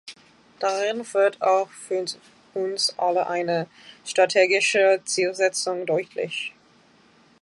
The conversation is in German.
Darin wird auch für uns alle eine strategische Zielsetzung deutlich.